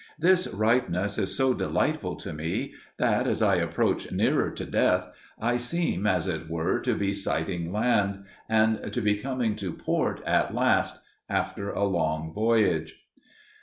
This ripeness is so delightful to me, that, as I approach nearer to death, I seem as it were to be sighting land, and to be coming to port at last after a long voyage.